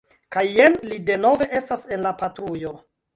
Kaj jen li denove estas en la patrujo.